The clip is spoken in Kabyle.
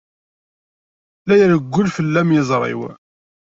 La irewwel fell-am yiẓri-w.